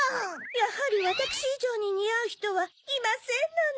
やはりわたくしいじょうににあうひとはいませんのね。